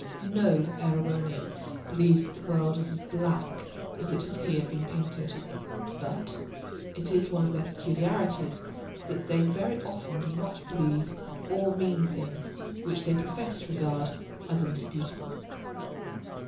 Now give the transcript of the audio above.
No Erewhonian believes that the world is as black as it has been here painted, but it is one of their peculiarities that they very often do not believe or mean things which they profess to regard as indisputable.